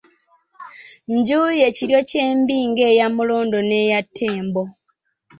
Enju ye Kiryokyembi ng'eya Mulondo n'eya Ttembo.